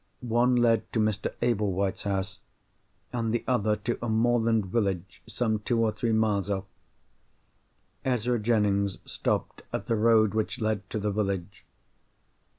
One led to Mr. Ablewhite's house, and the other to a moorland village some two or three miles off. Ezra Jennings stopped at the road which led to the village.